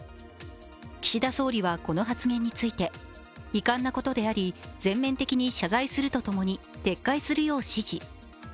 岸田総理はこの発言について遺憾なことであり、全面的に謝罪するとともに撤回するよう指示。